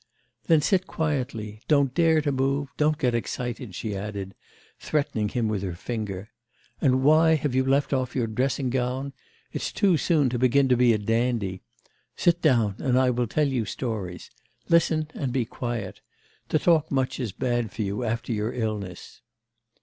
'Then sit quietly. Don't dare to move, don't get excited,' she added, threatening him with her finger. 'And why have you left off your dressing gown? It's too soon to begin to be a dandy! Sit down and I will tell you stories. Listen and be quiet. To talk much is bad for you after your illness.